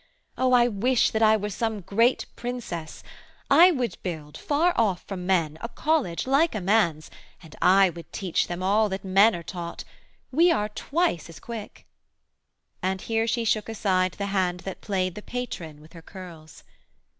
O I wish That I were some great princess, I would build Far off from men a college like a man's, And I would teach them all that men are taught; We are twice as quick!' And here she shook aside The hand that played the patron with her curls.